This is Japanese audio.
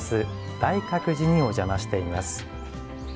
大覚寺にお邪魔しています。